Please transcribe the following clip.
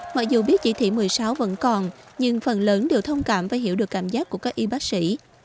mặc dù biết chỉ thị một mươi sáu vẫn còn nhưng phần lớn đều thông cảm và hiểu được cảm giác của các y bác sĩ